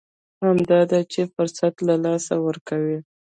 همدا ده چې فرصت له لاسه ورکوي.